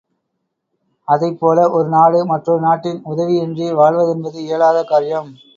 அதைப் போல ஒரு நாடு மற்றொரு நாட்டின் உதவியின்றி வாழ்வதென்பது இயலாத காரியம்.